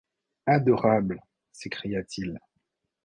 Adorable! s’écria-t-il.